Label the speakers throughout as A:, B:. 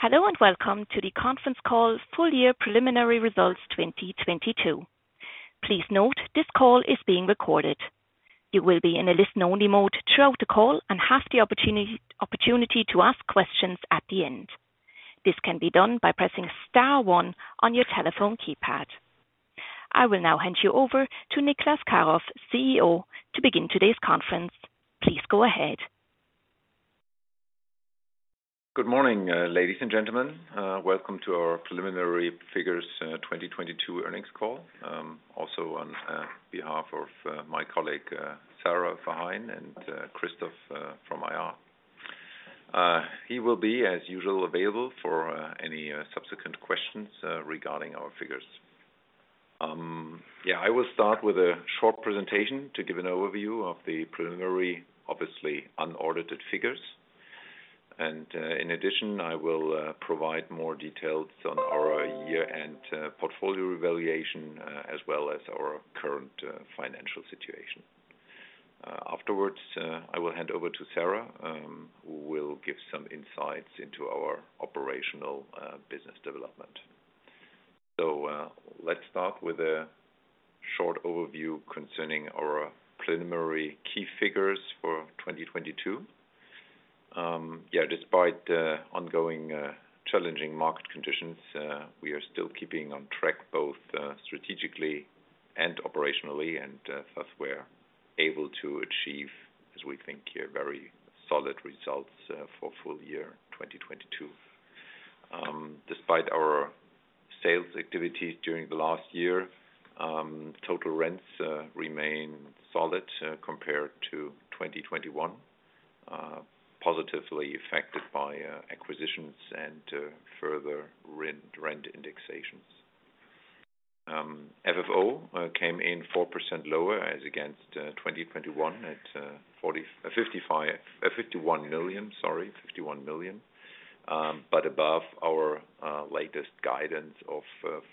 A: Hello. Welcome to the conference call Full Year Preliminary Results 2022. Please note this call is being recorded. You will be in a listen-only mode throughout the call and have the opportunity to ask questions at the end. This can be done by pressing star one on your telephone keypad. I will now hand you over to Niclas Karoff, CEO, to begin today's conference. Please go ahead.
B: Good morning, ladies and gentlemen. Welcome to our preliminary figures, 2022 earnings call. Also on behalf of my colleague, Sarah Verheyen and Christoph, from IR, he will be as usual available for any subsequent questions regarding our figures. Yeah, I will start with a short presentation to give an overview of the preliminary, obviously unaudited figures. In addition, I will provide more details on our year-end portfolio evaluation, as well as our current financial situation. Afterwards, I will hand over to Sarah, who will give some insights into our operational business development. Let's start with a short overview concerning our preliminary key figures for 2022. Despite the ongoing challenging market conditions, we are still keeping on track both strategically and operationally, we're able to achieve, as we think here, very solid results for full year 2022. Despite our sales activities during the last year, total rents remain solid compared to 2021, positively affected by acquisitions and further rent indexations. FFO came in 4% lower as against 2021 at 51 million. Above our latest guidance of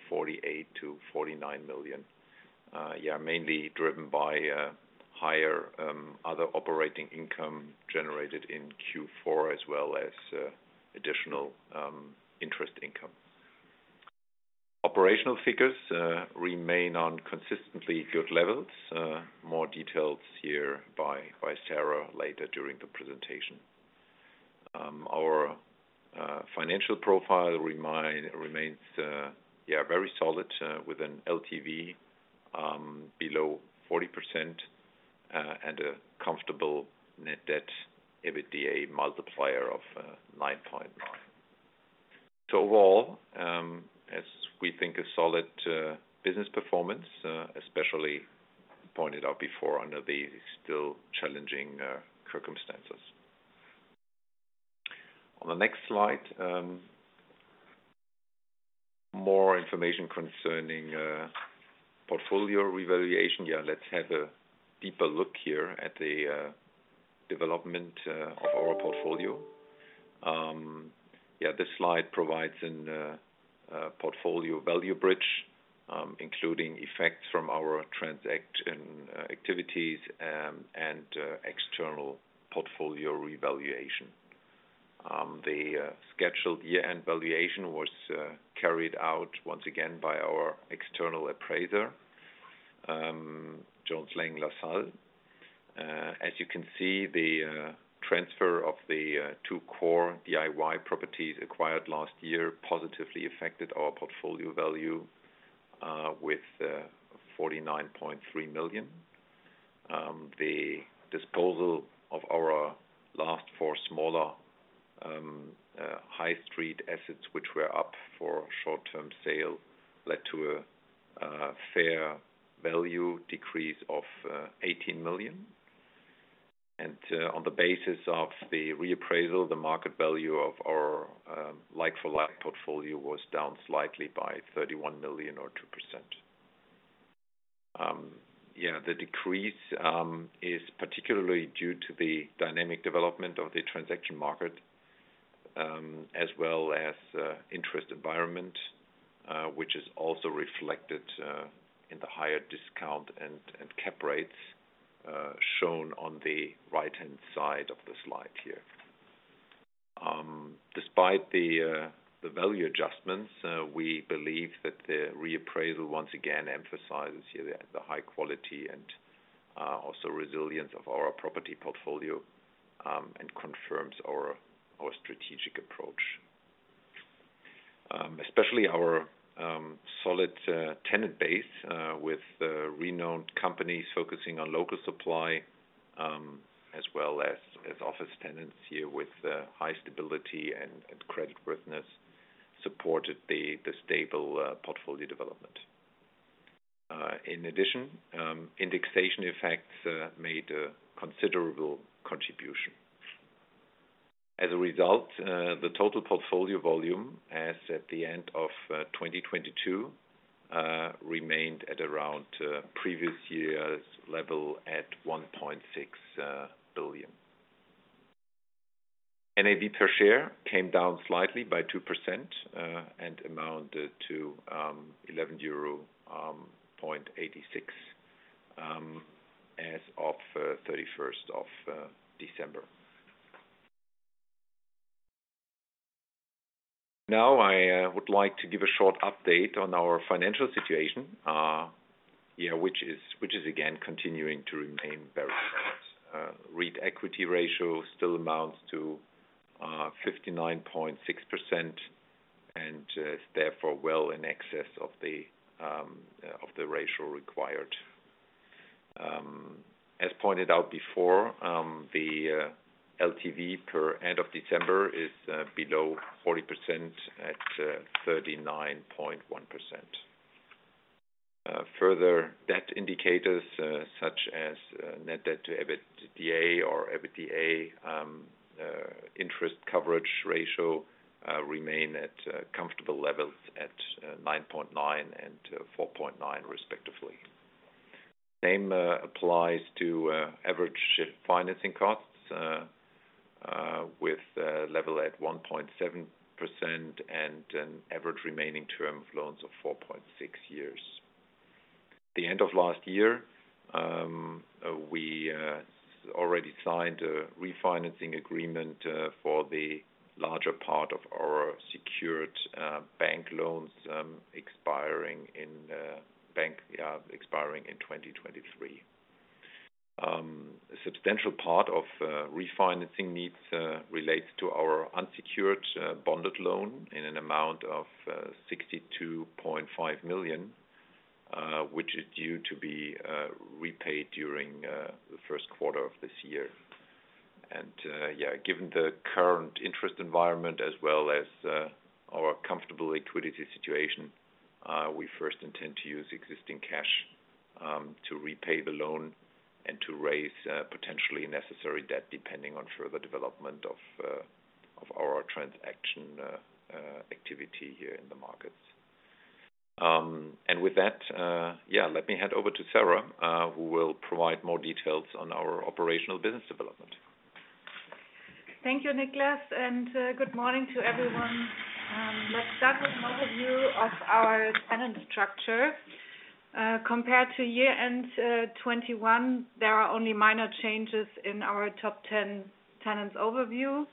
B: 48 million-49 million. Mainly driven by higher other operating income generated in Q4 as well as additional interest income. Operational figures remain on consistently good levels. More details here by Sarah later during the presentation. Our financial profile remains very solid with an LTV below 40% and a comfortable net debt, EBITDA multiplier of 9.9. Overall, as we think a solid business performance, especially pointed out before under the still challenging circumstances. On the next slide, more information concerning portfolio revaluation. Let's have a deeper look here at the development of our portfolio. This slide provides a portfolio value bridge including effects from our transaction activities and external portfolio revaluation. The scheduled year-end valuation was carried out once again by our external appraiser, Jones Lang LaSalle. As you can see, the transfer of the two core DIY properties acquired last year positively affected our portfolio value with 49.3 million. The disposal of our last four smaller high street assets, which were up for short-term sale, led to a fair value decrease of 18 million. On the basis of the reappraisal, the market value of our like-for-like portfolio was down slightly by 31 million or 2%. The decrease is particularly due to the dynamic development of the transaction market, as well as interest environment, which is also reflected in the higher discount and cap rates shown on the right-hand side of the slide here. Despite the value adjustments, we believe that the reappraisal once again emphasizes here the high quality and also resilience of our property portfolio and confirms our strategic approach. Especially our solid tenant base with renowned companies focusing on local supply, as well as office tenants here with high stability and creditworthiness supported the stable portfolio development. In addition, indexation effects made a considerable contribution. As a result, the total portfolio volume as at the end of 2022 remained at around previous year's level at 1.6 billion. NAV per share came down slightly by 2% and amounted to EUR 11.86. As of 31st of December. I would like to give a short update on our financial situation, yeah, which is again, continuing to remain very. REIT equity ratio still amounts to 59.6% and is therefore well in excess of the ratio required. As pointed out before, the LTV per end of December is below 40% at 39.1%. Further debt indicators, such as net debt to EBITDA or EBITDA interest coverage ratio, remain at comfortable levels at 9.9 and 4.9 respectively. Same applies to average financing costs with level at 1.7% and an average remaining term of loans of 4.6 years. The end of last year, we already signed a refinancing agreement for the larger part of our secured bank loans expiring in 2023. A substantial part of refinancing needs relates to our unsecured bonded loan in an amount of 62.5 million, which is due to be repaid during the first quarter of this year. Given the current interest environment as well as our comfortable liquidity situation, we first intend to use existing cash to repay the loan and to raise potentially necessary debt depending on further development of our transaction activity here in the markets. With that, let me hand over to Sarah, who will provide more details on our operational business development.
C: Thank you, Niclas, and good morning to everyone. Let's start with an overview of our tenant structure. Compared to year end 21, there are only minor changes in our top 10 tenants overview.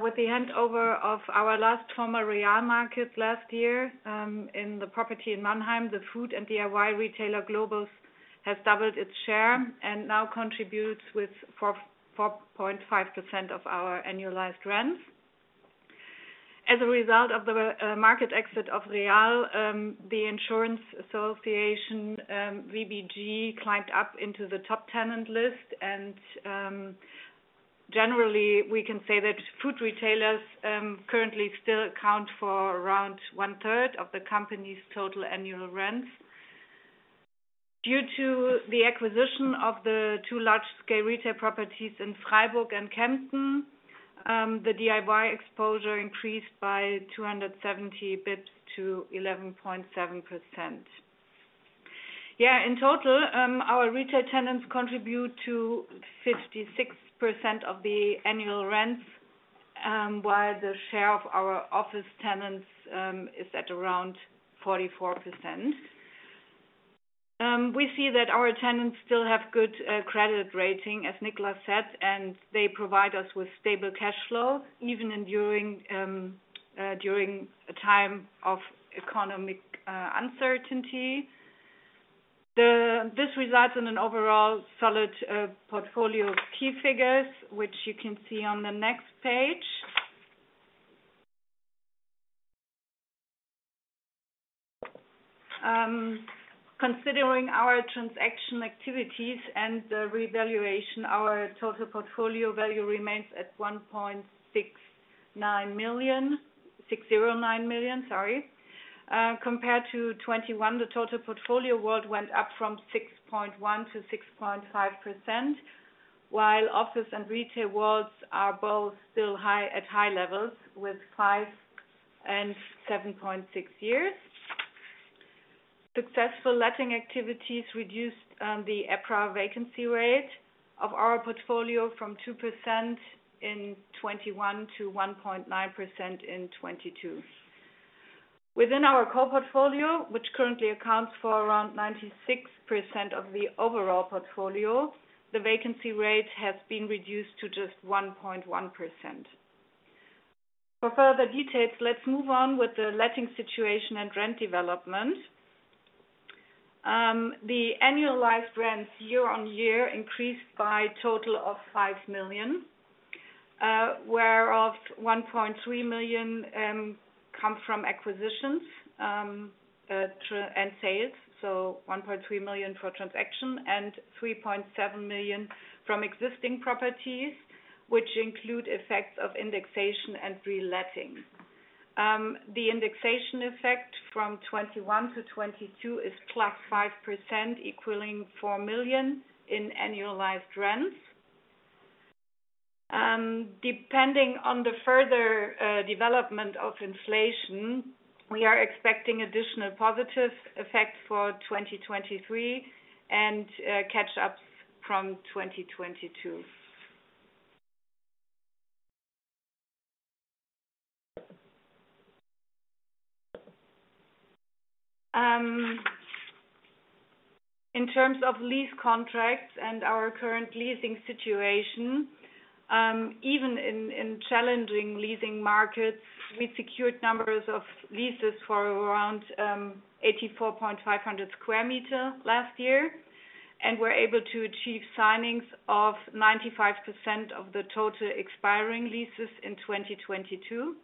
C: With the handover of our last former Real market last year, in the property in Mannheim, the food and DIY retailer Globus has doubled its share and now contributes with 4.5% of our annualized rents. As a result of the market exit of Real, the Insurance Association VBG climbed up into the top tenant list. Generally, we can say that food retailers currently still account for around 1/3 of the company's total annual rents. Due to the acquisition of the two large-scale retail properties in Freiburg and Kempten, the DIY exposure increased by 270 basis points to 11.7%. In total, our retail tenants contribute to 56% of the annual rents, while the share of our office tenants is at around 44%. We see that our tenants still have good credit rating, as Niclas said, and they provide us with stable cash flow, even during a time of economic uncertainty. This results in an overall solid portfolio of key figures, which you can see on the next page. Considering our transaction activities and the revaluation, our total portfolio value remains at 1.69 million, 609 million, sorry. Compared to 2021, the total portfolio world went up from 6.1%-6.5%, while office and retail worlds are both still high, at high levels with five and 7.6 years. Successful letting activities reduced the EPRA vacancy rate of our portfolio from 2% in 2021 to 1.9% in 2022. Within our core portfolio, which currently accounts for around 96% of the overall portfolio, the vacancy rate has been reduced to just 1.1%. For further details, let's move on with the letting situation and rent development. The annualized rents year on year increased by total of 5 million, whereof 1.3 million come from acquisitions and sales, so 1.3 million for transaction and 3.7 million from existing properties, which include effects of indexation and reletting. The indexation effect from 2021 to 2022 is +5%, equaling 4 million in annualized rents. Depending on the further development of inflation, we are expecting additional positive effect for 2023 and catch-ups from 2022. In terms of lease contracts and our current leasing situation, even in challenging leasing markets, we secured numbers of leases for around 84,500 sq meters last year, and we're able to achieve signings of 95% of the total expiring leases in 2022.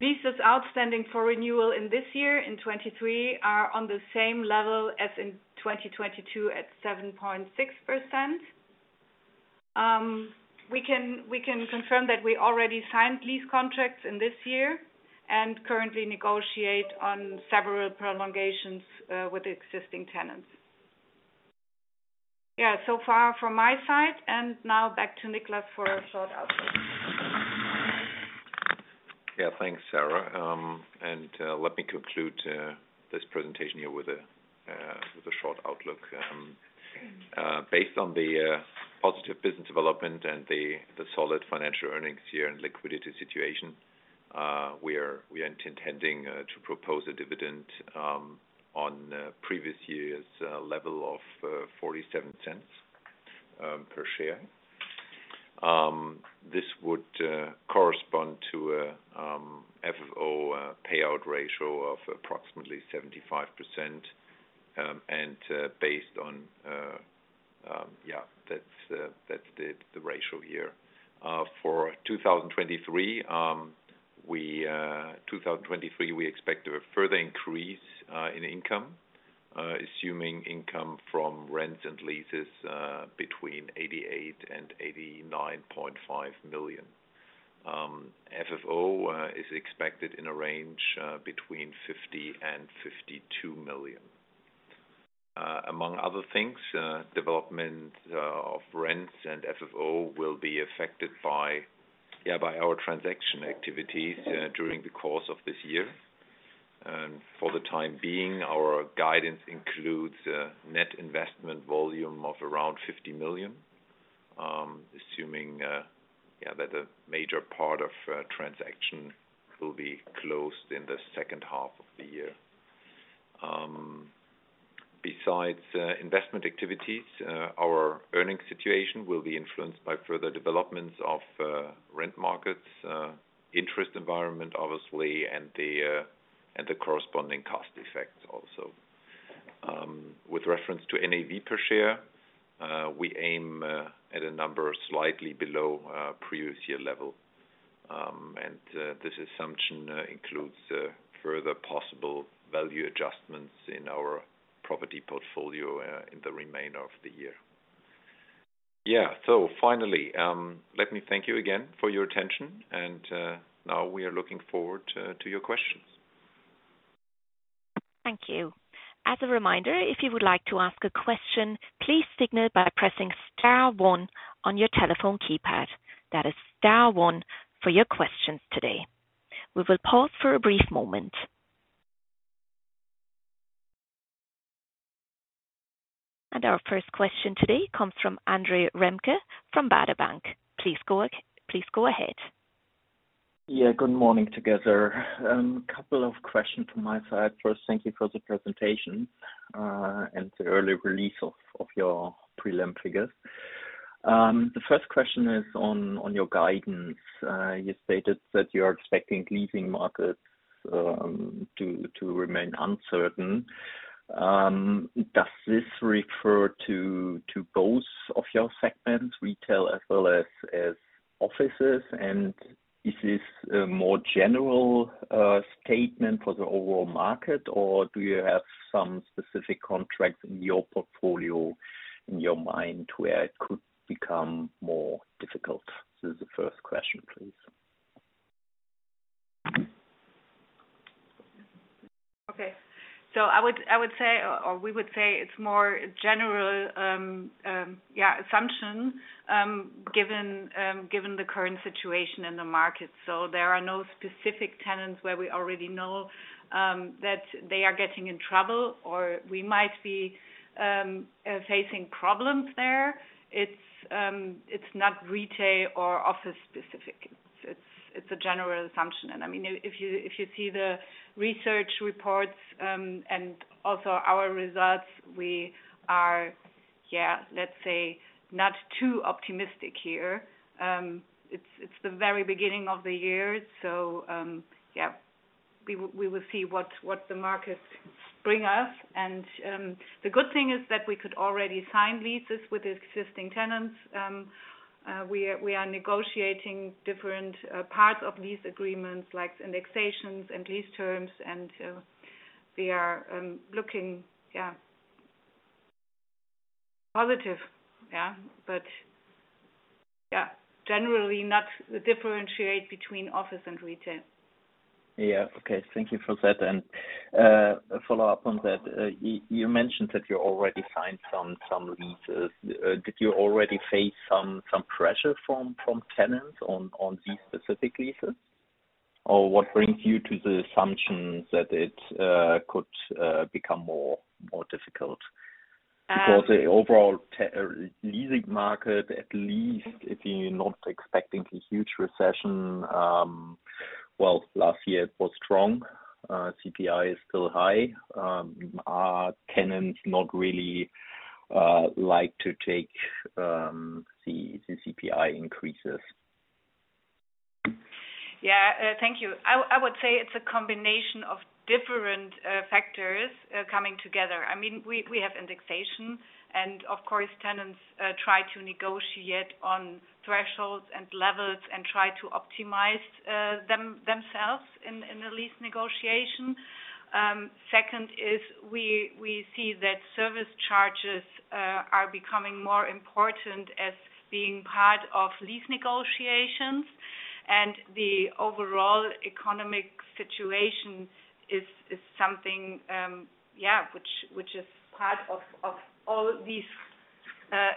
C: Leases outstanding for renewal in this year, in 2023 are on the same level as in 2022 at 7.6%. We can confirm that we already signed lease contracts in this year and currently negotiate on several prolongations with existing tenants. Yeah, so far from my side. Now back to Niclas for a short outlook.
B: Yeah. Thanks, Sarah. Let me conclude this presentation here with a short outlook. Based on the positive business development and the solid financial earnings here and liquidity situation, we are intending to propose a dividend on previous years level of 0.47 per share. This would correspond to a FFO payout ratio of approximately 75%. Based on, yeah, that's the ratio here. For 2023, we expect a further increase in income, assuming income from rents and leases between 88 million-89.5 million. FFO is expected in a range between 50 million-52 million. Among other things, development of rents and FFO will be affected by our transaction activities during the course of this year. For the time being, our guidance includes a net investment volume of around 50 million, assuming that a major part of transaction will be closed in the second half of the year. Besides, investment activities, our earning situation will be influenced by further developments of rent markets, interest environment obviously, and the corresponding cost effect also. With reference to NAV per share, we aim at a number slightly below previous year level. This assumption includes further possible value adjustments in our property portfolio in the remainder of the year. Yeah. Finally, let me thank you again for your attention and, now we are looking forward to your questions.
A: Thank you. As a reminder, if you would like to ask a question, please signal by pressing star one on your telephone keypad. That is star one for your questions today. We will pause for a brief moment. Our first question today comes from Andre Remke from Baader Bank. Please go ahead.
D: Good morning together. Couple of questions from my side. First, thank you for the presentation and the early release of your prelim figures. The first question is on your guidance. You stated that you are expecting leasing markets to remain uncertain. Does this refer to both of your segments, retail as well as offices? Is this a more general statement for the overall market, or do you have some specific contracts in your portfolio in your mind where it could become more difficult? This is the first question, please.
C: Okay. I would, I would say, or we would say it's more general assumption given the current situation in the market. There are no specific tenants where we already know that they are getting in trouble or we might be facing problems there. It's not retail or office specific. It's a general assumption. I mean, if you, if you see the research reports and also our results, we are, let's say not too optimistic here. It's the very beginning of the year. We will, we will see what the markets bring us. The good thing is that we could already sign leases with existing tenants. We are negotiating different parts of lease agreements like indexations and lease terms and we are looking positive. Generally not differentiate between office and retail.
D: Yeah. Okay. Thank you for that. A follow-up on that. You mentioned that you already signed some leases. Did you already face some pressure from tenants on these specific leases? Or what brings you to the assumption that it could become more difficult? Because the overall leasing market, at least if you're not expecting a huge recession, well, last year it was strong. CPI is still high. Are tenants not really like to take the CPI increases?
C: Yeah. Thank you. I would say it's a combination of different factors coming together. I mean, we have indexation and of course, tenants try to negotiate on thresholds and levels and try to optimize themselves in the lease negotiation. Second is we see that service charges are becoming more important as being part of lease negotiations. The overall economic situation is something, yeah, which is part of all these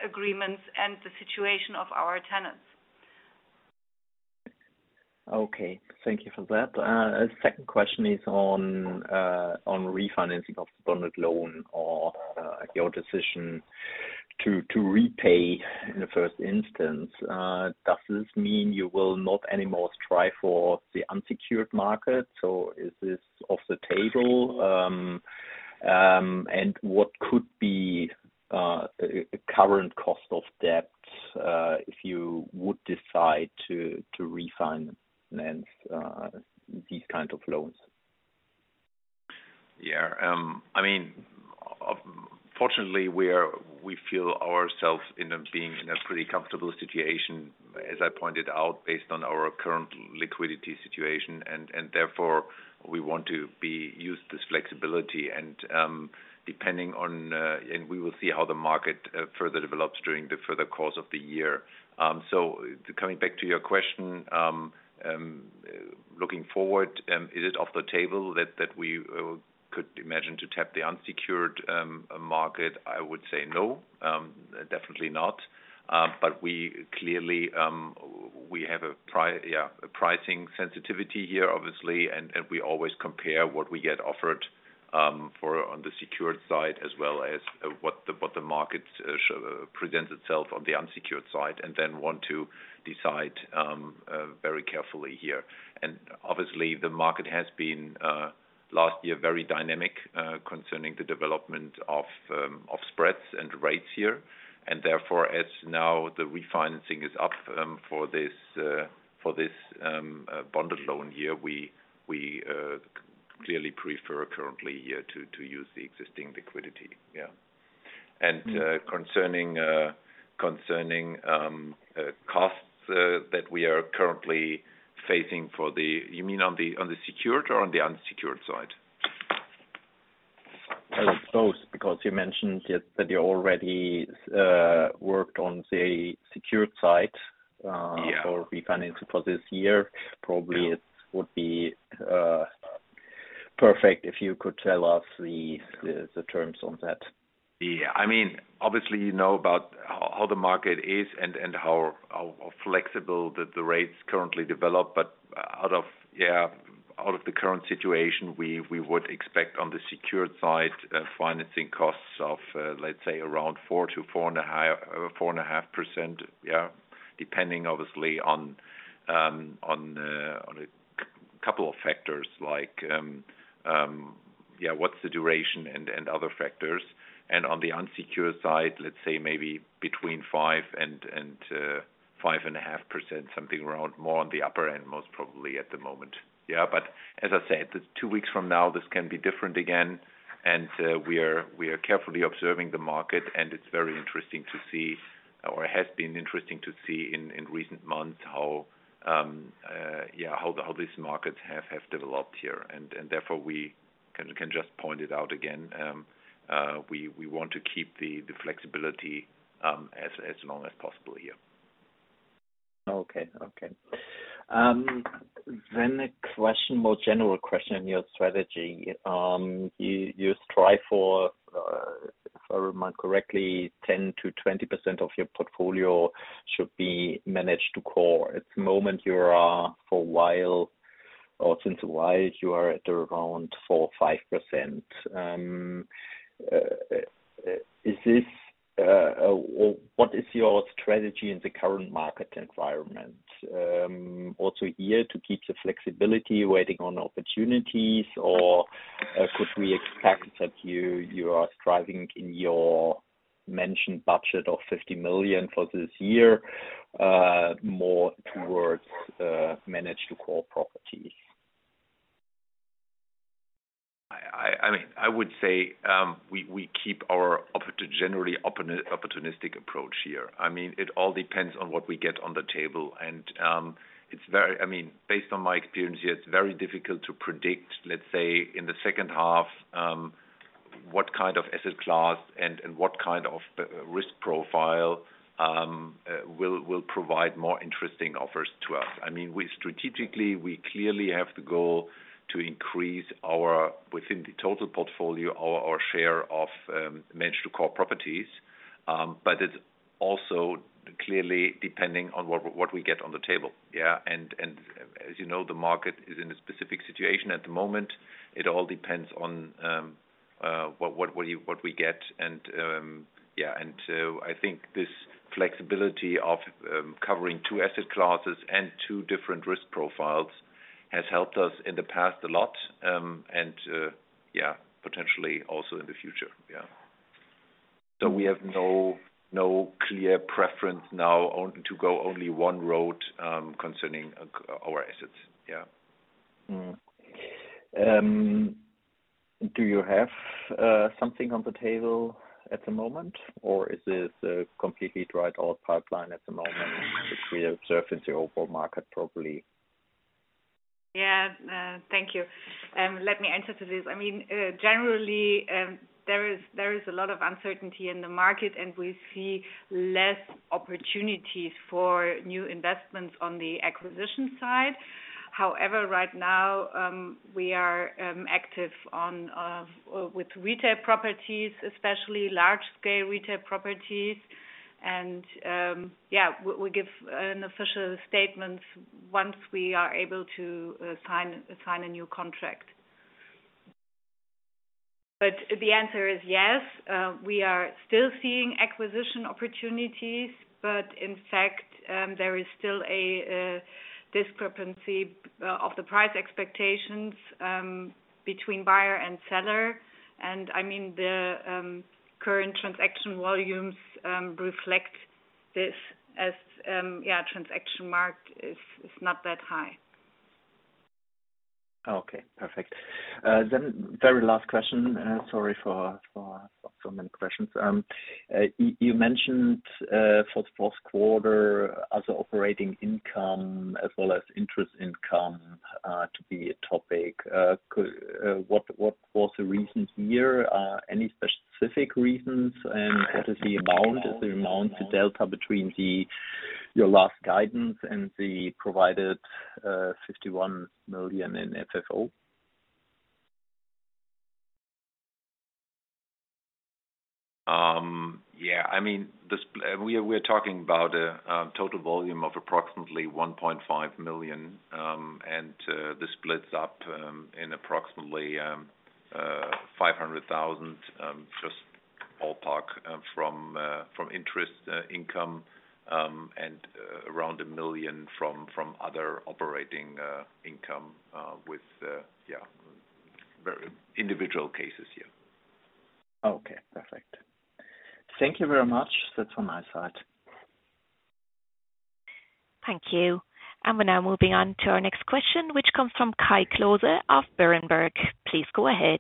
C: agreements and the situation of our tenants.
D: Okay. Thank you for that. A second question is on refinancing of the bonded loan or your decision to repay in the first instance. Does this mean you will not anymore strive for the unsecured market? Is this off the table? What could be a current cost of debt if you would decide to refinance these kind of loans?
B: Yeah. I mean, fortunately, we feel ourselves in a pretty comfortable situation, as I pointed out, based on our current liquidity situation. Therefore, we want to use this flexibility and, depending on, and we will see how the market further develops during the further course of the year. Coming back to your question, looking forward, is it off the table that we could imagine to tap the unsecured market? I would say no, definitely not. We clearly, we have a pricing sensitivity here, obviously. We always compare what we get offered for on the secured side as well as what the market presents itself on the unsecured side, and then want to decide very carefully here. Obviously the market has been last year, very dynamic concerning the development of spreads and rates here. Therefore, as now the refinancing is up for this bonded loan here, we clearly prefer currently, yeah, to use the existing liquidity. Yeah. Concerning costs that we are currently facing for the-- You mean on the, on the secured or on the unsecured side?
D: Both, because you mentioned just that you already worked on the secured side.
B: Yeah
D: for refinancing for this year. Probably it would be perfect if you could tell us the terms on that.
B: Yeah. I mean, obviously, you know about how the market is and how flexible the rates currently develop. Out of the current situation, we would expect on the secured side, financing costs of, let's say around 4%-4.5%. Depending obviously on a couple of factors like, what's the duration and other factors. On the unsecured side, let's say maybe between 5% and 5.5%, something around more on the upper end, most probably at the moment. As I said, two weeks from now, this can be different again. We are carefully observing the market, and it's very interesting to see, or it has been interesting to see in recent months how these markets have developed here. Therefore, we can just point it out again. We want to keep the flexibility as long as possible here.
D: Okay. Okay. A question, more general question on your strategy. You strive for, if I remind correctly, 10%-20% of your portfolio should be managed to core. At the moment you are for a while or since a while, you are at around 4%-5%. Is this what is your strategy in the current market environment? Also here to keep the flexibility waiting on opportunities or could we expect that you are striving in your mentioned budget of 50 million for this year, more towards managed to core property?
B: I mean, I would say, we keep our opportunistic approach here. I mean, it all depends on what we get on the table. It's very, I mean, based on my experience here, it's very difficult to predict, let's say, in the second half, what kind of asset class and what kind of risk profile will provide more interesting offers to us. I mean, we strategically, we clearly have the goal to increase our, within the total portfolio, our share of managed to core properties. It's also clearly depending on what we get on the table. Yeah. As you know, the market is in a specific situation at the moment. It all depends on what you, what we get. Yeah. I think this flexibility of covering two asset classes and two different risk profiles has helped us in the past a lot, and yeah, potentially also in the future. Yeah. We have no clear preference now on to go only one road concerning our assets. Yeah.
D: Do you have something on the table at the moment, or is this a completely dried out pipeline at the moment, which we observe in the overall market probably?
C: Yeah. Thank you. Let me answer to this. I mean, generally, there is a lot of uncertainty in the market, and we see less opportunities for new investments on the acquisition side. However, right now, we are active on with retail properties, especially large scale retail properties. Yeah, we give an official statement once we are able to sign a new contract. The answer is yes. We are still seeing acquisition opportunities, but in fact, there is still a discrepancy of the price expectations between buyer and seller. I mean, the current transaction volumes reflect this as yeah, transaction marked is not that high.
D: Okay, perfect. Very last question. Sorry for so many questions. You mentioned, for the fourth quarter as operating income as well as interest income, to be a topic. What was the reasons here? Any specific reasons? As the amount, the delta between the, your last guidance and the provided, 51 million in FFO.
B: Yeah. I mean, We're talking about total volume of approximately 1.5 million. This splits up in approximately 500,000, just ball park, from interest income, and around 1 million from other operating income, with yeah, very individual cases here.
D: Okay, perfect. Thank you very much. That's from my side.
A: Thank you. We're now moving on to our next question, which comes from Kai Klose of Berenberg. Please go ahead.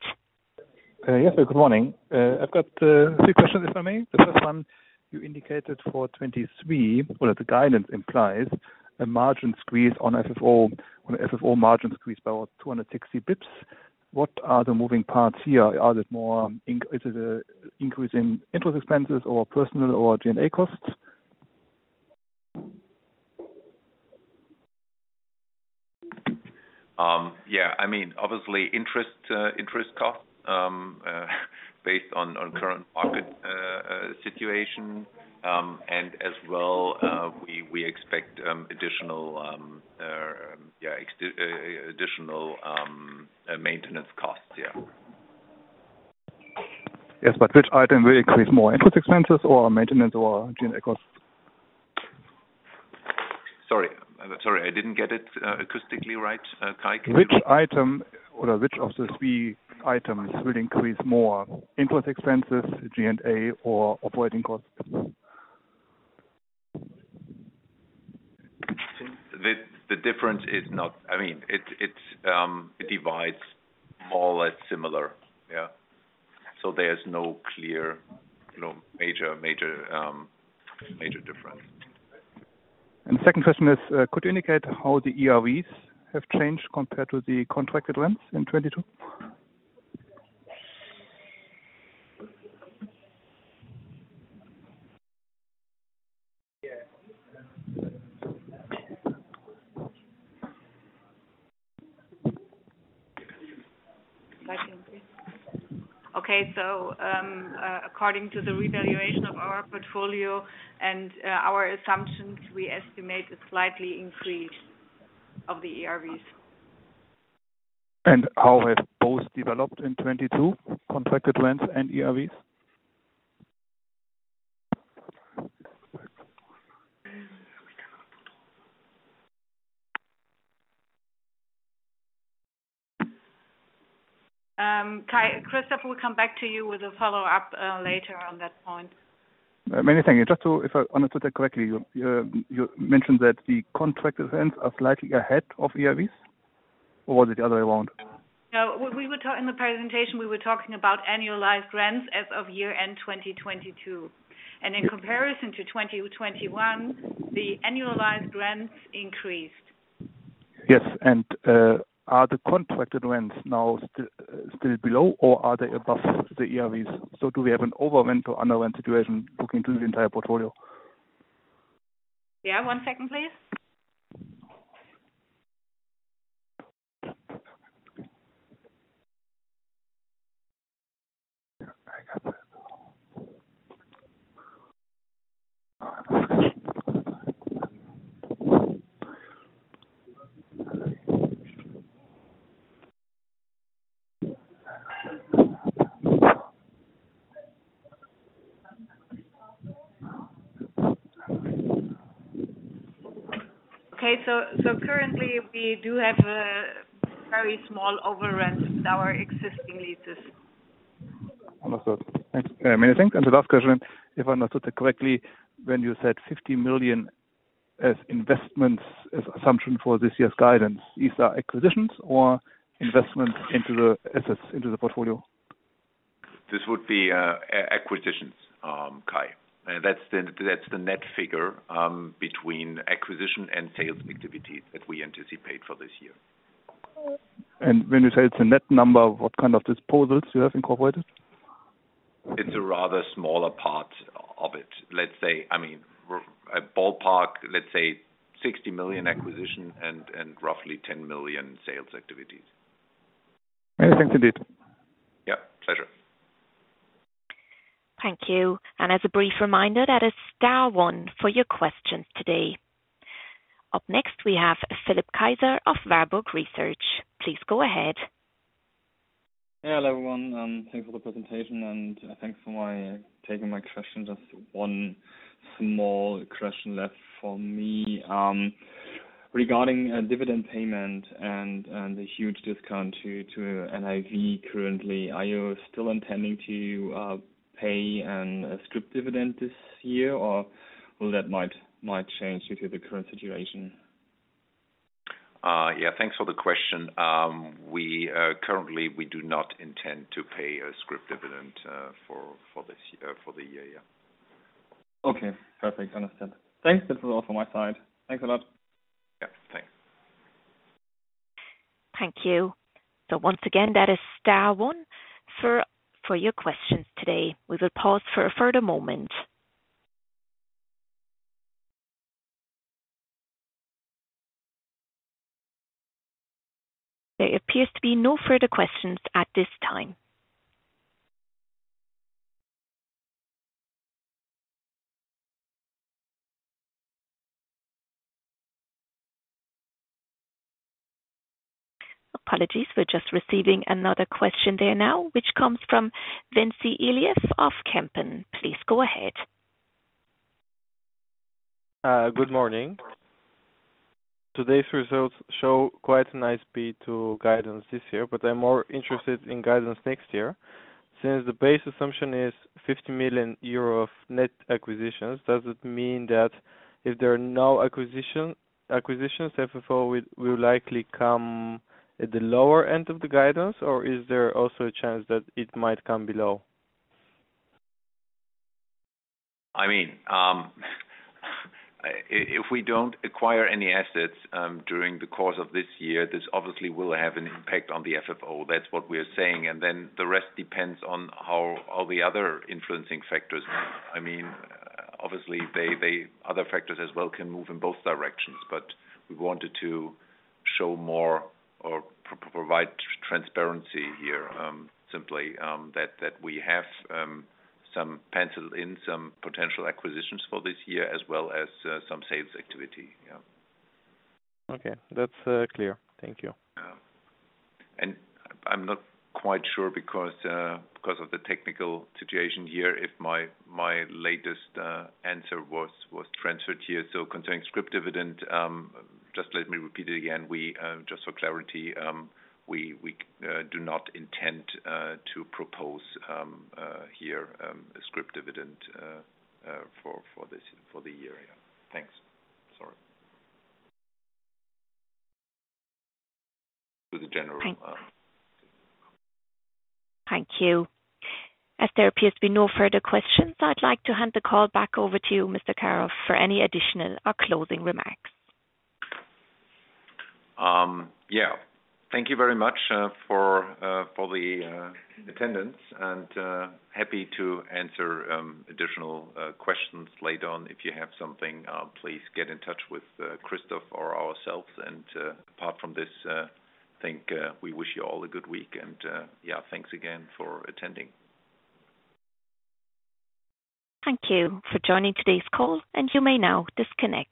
E: Yes, good morning. I've got three questions, if I may. The first one you indicated for 2023. One of the guidance implies a margin squeeze on FFO margin squeeze by about 260 basis points. What are the moving parts here? Is it an increase in interest expenses or personal or G&A costs?
B: Yeah. I mean, obviously interest cost based on current market situation. As well, we expect additional maintenance costs. Yeah.
E: Yes, which item will increase more, interest expenses or maintenance or G&A costs?
B: Sorry, I didn't get it, acoustically right. Kai, can you.
E: Which item or which of the three items will increase more, interest expenses, G&A or operating costs?
B: The difference is not. I mean, it's it divides more or less similar. Yeah. There's no clear, you know, major difference.
E: Second question is, could you indicate how the ERVs have changed compared to the contracted rents in 2022?
C: Slightly increased. Okay. According to the revaluation of our portfolio and our assumptions, we estimate a slightly increase of the ERVs.
E: How have both developed in 2022, contracted rents and ERVs?
C: Kai, Christoph will come back to you with a follow-up later on that point.
E: Many thank you. Just to, if I understood that correctly, you mentioned that the contracted rents are slightly ahead of ERVs, or was it the other way around?
C: No. In the presentation, we were talking about annualized rents as of year end 2022. In comparison to 2021, the annualized rents increased.
E: Yes. Are the contracted rents now still below, or are they above the ERVs? Do we have an over rent or under rent situation looking through the entire portfolio?
C: Yeah, one second, please. Okay. Currently we do have a very small overrun with our existing leases.
E: Understood. Thanks. Many thanks. The last question, if I understood that correctly, when you said 50 million as investments as assumption for this year's guidance, these are acquisitions or investments into the assets, into the portfolio?
B: This would be acquisitions, Kai. That's the net figure between acquisition and sales activities that we anticipate for this year.
E: When you say it's a net number, what kind of disposals do you have incorporated?
B: It's a rather smaller part of it. Let's say, I mean, a ballpark, let's say 60 million acquisition and roughly 10 million sales activities.
E: Many thanks indeed.
B: Yeah. Pleasure.
A: Thank you. As a brief reminder, that is star one for your questions today. Up next, we have Philipp Kaiser of Warburg Research. Please go ahead.
F: Hello, everyone, thanks for the presentation and thanks for taking my question. Just one small question left for me, regarding a dividend payment and the huge discount to NAV currently. Are you still intending to pay a scrip dividend this year, or that might change due to the current situation?
B: Yeah, thanks for the question. Currently we do not intend to pay a scrip dividend for the year. Yeah.
F: Okay. Perfect. Understood. Thanks. This is all from my side. Thanks a lot.
B: Yeah, thanks.
A: Thank you. Once again, that is star one for your questions today. We will pause for a further moment. There appears to be no further questions at this time. Apologies. We're just receiving another question there now, which comes from Robin Elias of Kempen. Please go ahead.
G: Good morning. Today's results show quite a nice beat to guidance this year. I'm more interested in guidance next year. Since the base assumption is 50 million euro of net acquisitions, does it mean that if there are no acquisitions, FFO will likely come at the lower end of the guidance? Or is there also a chance that it might come below?
B: I mean, if we don't acquire any assets during the course of this year, this obviously will have an impact on the FFO. That's what we're saying. The rest depends on how all the other influencing factors. I mean, obviously, other factors as well can move in both directions. We wanted to show more or provide transparency here, simply, that we have some penciled in some potential acquisitions for this year as well as some sales activity. Yeah.
G: Okay. That's clear. Thank you.
B: I'm not quite sure because of the technical situation here, if my latest answer was transferred here. Concerning scrip dividend, just let me repeat it again. We just for clarity, we do not intend to propose here a scrip dividend for this for the year. Yeah. Thanks. Sorry. To the general-
A: Thanks. Thank you. As there appears to be no further questions, I'd like to hand the call back over to you, Mr. Karoff, for any additional or closing remarks.
B: Yeah. Thank you very much for the attendance, and happy to answer additional questions later on. If you have something, please get in touch with Christoph or ourselves. Apart from this, I think we wish you all a good week. Yeah, thanks again for attending.
A: Thank you for joining today's call, and you may now disconnect.